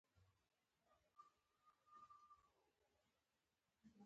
ورور سره وخت تېرول هېرېدونکی نه وي.